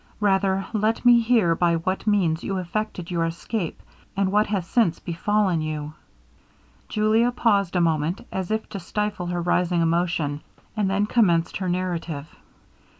Rather let me hear by what means you effected your escape, and what has since be fallen you.' Julia paused a moment, as if to stifle her rising emotion, and then commenced her narrative.